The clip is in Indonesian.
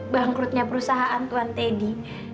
bangkrutnya perusahaan tuan teddy